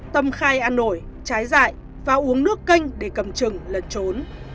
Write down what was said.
tâm khai ăn nổi trái dại và uống nước canh để cầm chừng lật trốn